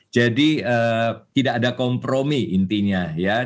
jadi tidak ada kompromi intinya ya